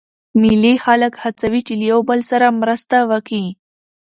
مېلې خلک هڅوي، چي له یو بل سره مرسته وکي.